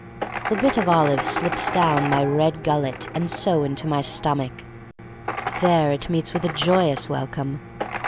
The bit of olive slips down my red gullet, and so into my stomach. There it meets with a joyous welcome.